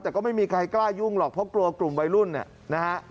แต่ก็ไม่มีใครกล้ายุ่งหรอกเพราะกลัวกลุ่มวัยรุ่นเนี่ยนะฮะ